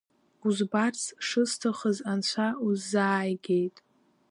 Узбарц шысҭахыз анцәа усзааигеит!